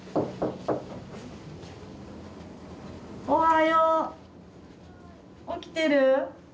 おはよう！起きてる？